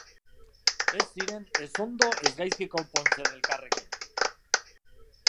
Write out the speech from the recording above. Ez ziren ez ondo ez gaizki konpontzen elkarrekin.